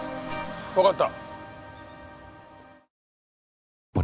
わかった。